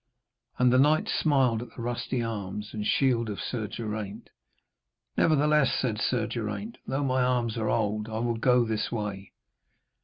And the knight smiled at the rusty arms and shield of Sir Geraint. 'Nevertheless,' said Sir Geraint, 'though my arms are old, I will go this way.'